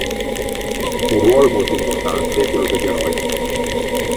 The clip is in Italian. Un ruolo molto importante è quello degli eroi.